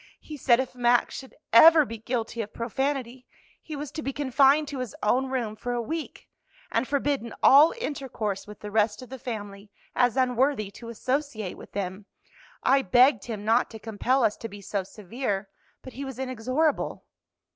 "He said if Max should ever be guilty of profanity he was to be confined to his own room for a week, and forbidden all intercourse with the rest of the family as unworthy to associate with them. I begged him not to compel us to be so severe, but he was inexorable."